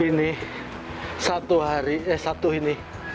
ini satu hari eh satu ini